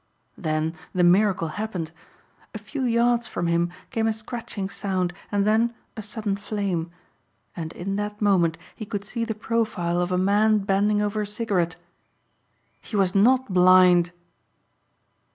Then the miracle happened. A few yards from him came a scratching sound and then a sudden flame. And in that moment he could see the profile of a man bending over a cigarette. He was not blind!